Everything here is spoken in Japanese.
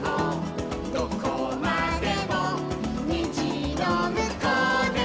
「どこまでもにじのむこうでも」